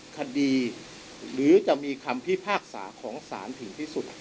ในเมื่อยังไม่มีคำพิพากษาถึงที่สุด